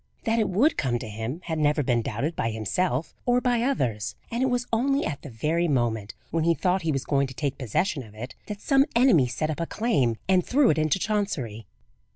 That it would come to him, had never been doubted by himself or by others; and it was only at the very moment when he thought he was going to take possession of it, that some enemy set up a claim and threw it into Chancery.